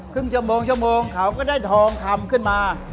ครึ่งชั่วโมงเขาก็ได้ทองทำขึ้นมา